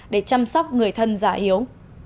để chăm sóc người thân già hiếu